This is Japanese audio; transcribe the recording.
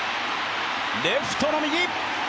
レフトの右！